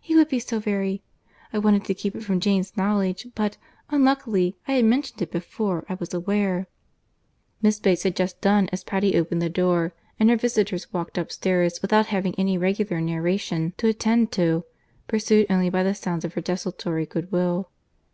He would be so very.... I wanted to keep it from Jane's knowledge; but, unluckily, I had mentioned it before I was aware." Miss Bates had just done as Patty opened the door; and her visitors walked upstairs without having any regular narration to attend to, pursued only by the sounds of her desultory good will.